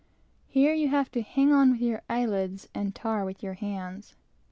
Here you have to hang on with your eye lids and tar with your hands.